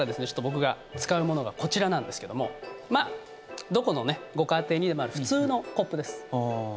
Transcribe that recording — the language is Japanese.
ちょっと僕が使うものがこちらなんですけどもどこのご家庭にでもある普通のコップです。